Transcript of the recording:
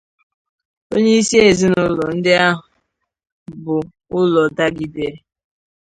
onyeisi ezinụlọ ndị ahụ ya bụ ụlọ dagidere